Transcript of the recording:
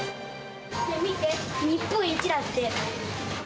見て、日本一だって。